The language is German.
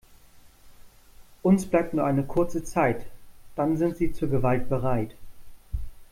Uns bleibt nur eine kurze Zeit, dann sind sie zur Gewalt bereit.